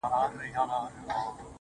• خدايه زارۍ کومه سوال کومه.